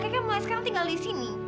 kakeknya mau sekarang tinggal di sini